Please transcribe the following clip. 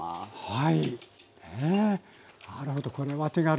はい。